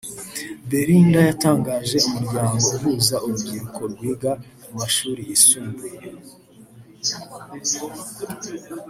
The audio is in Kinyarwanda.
Belinda yatangije umuryango uhuza urubyiruko rwiga mu mashuli yisumbuye